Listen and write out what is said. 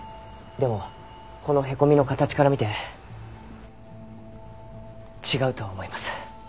でもこのへこみの形から見て違うと思います。